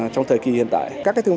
trong thời kỳ hiện tại